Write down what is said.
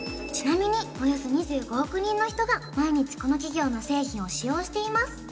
ちなみにおよそ２５億人の人が毎日この企業の製品を使用しています